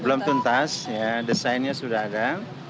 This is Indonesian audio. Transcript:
belum tuntas desainnya sudah ada